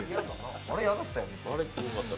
あれやだったよね。